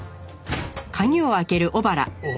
おっ！